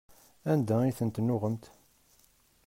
Anda ay ten-tennuɣemt?